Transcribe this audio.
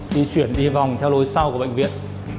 di chuyển đi vòng theo lối sau của bệnh viện